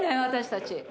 私たち。